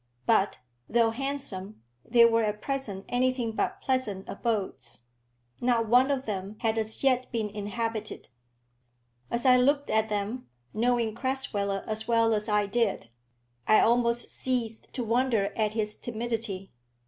But, though handsome, they were at present anything but pleasant abodes. Not one of them had as yet been inhabited. As I looked at them, knowing Crasweller as well as I did, I almost ceased to wonder at his timidity.